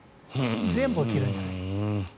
全部を切るんじゃない。